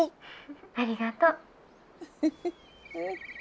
☎ありがとう。